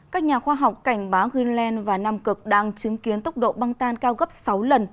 các nhà khoa học cảnh báo greenland và nam cực đang chứng kiến tốc độ băng tan cao gấp sáu lần